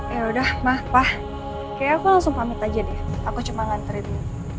yaudah mah pak kayaknya aku langsung pamit aja deh aku cuma nganterin dia